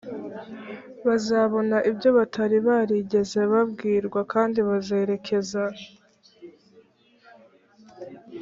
bazabona ibyo batari barigeze babwirwa kandi bazerekeza